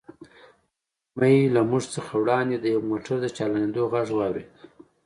مې له موږ څخه وړاندې د یوه موټر د چالانېدو غږ واورېد.